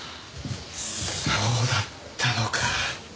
そうだったのか。